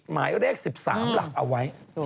หมายเลข๑๓หลักเอาไว้